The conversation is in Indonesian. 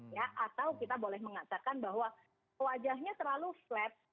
ya atau kita boleh mengatakan bahwa wajahnya terlalu flat